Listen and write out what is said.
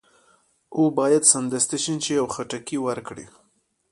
او باید سمدستي شین شي او خټکي ورکړي.